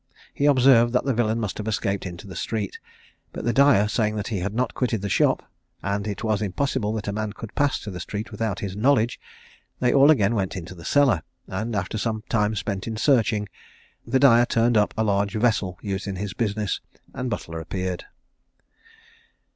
He observed that the villain must have escaped into the street; but the dyer saying that he had not quitted the shop, and it was impossible that a man could pass to the street without his knowledge, they all again went into the cellar, and, after some time spent in searching, the dyer turned up a large vessel used in his business, and Butler appeared.